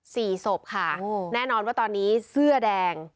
สี่ศพค่ะอืมแน่นอนว่าตอนนี้เสื้อแดง